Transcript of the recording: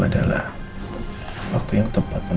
melewati ya agung estean